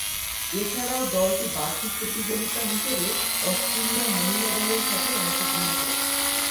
এছাড়াও দলটি বার্ষিক প্রতিযোগিতা হিসেবে অস্ট্রেলিয়া মহিলা দলের সাথে অংশগ্রহণ করে।